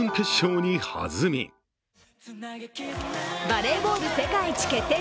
バレーボール世界一決定